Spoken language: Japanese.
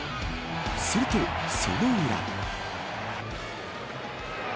すると、その裏。